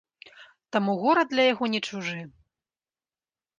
Таму горад для яго не чужы.